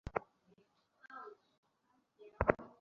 আমরাও অবরোধ করে বাইরে অবস্থান করব।